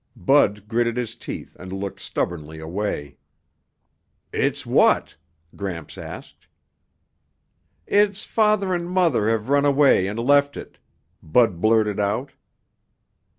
Bud gritted his teeth and looked stubbornly away. "Its what?" Gramps asked. "Its father and mother have run away and left it," Bud blurted out.